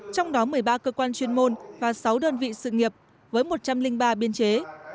trong đó một mươi ba cơ quan chuyên môn và sáu đơn vị sự nghiệp với một trăm linh ba biên chế